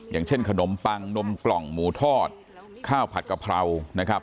อย่างเช่นขนมปังนมกล่องหมูทอดข้าวผัดกะเพรานะครับ